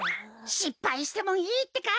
しっぱいしてもいいってか！